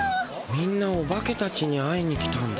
みんなおばけたちに会いに来たんだ。